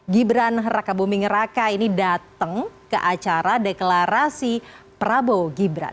gibran rakabumingeraka ini datang ke acara deklarasi prabowo gibran